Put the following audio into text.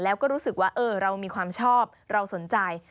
แล้วก็รู้สึกว่าเรามีความชอบเราสนใจ